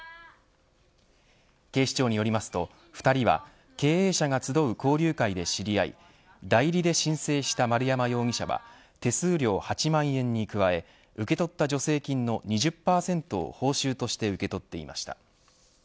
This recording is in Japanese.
警視庁によりますと２人は経営者が集う交流会で知り合い代理で申請した丸山容疑者は手数料８万円に加え受け取った助成金の２０％を報酬として受け取っていました。